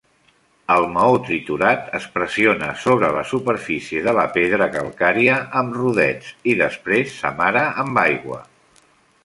El maó triturat es pressiona sobre la superfície de la pedra calcària amb rodets, i després s'amara amb aigua.